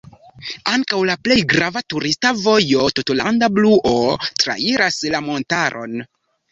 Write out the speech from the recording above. Ankaŭ la plej grava turista vojo „tutlanda bluo” trairas la montaron.